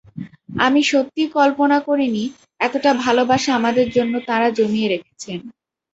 আমি সত্যিই কল্পনা করিনি, এতটা ভালোবাসা আমাদের জন্য তাঁরা জমিয়ে রেখেছেন।